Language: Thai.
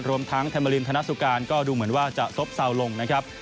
รวมทั้งเทเมรินธนสุการก็ดูเหมือนว่าจะซบเซาลงนะครับ